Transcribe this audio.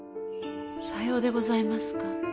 さようでございますか。